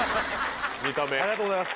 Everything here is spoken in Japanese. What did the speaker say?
ありがとうございます。